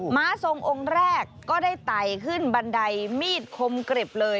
้าทรงองค์แรกก็ได้ไต่ขึ้นบันไดมีดคมกริบเลย